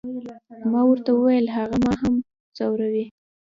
ما ورته وویل، هغه ما هم ځوروي.